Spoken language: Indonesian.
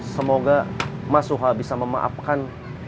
semoga masuha bisa memaafkan